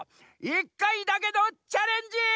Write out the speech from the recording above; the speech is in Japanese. １かいだけのチャレンジ！